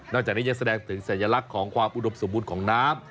จากนี้ยังแสดงถึงสัญลักษณ์ของความอุดมสมบูรณ์ของน้ำ